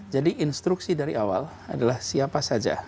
jadi instruksi dari awal adalah siapa saja